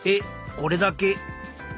これだけ？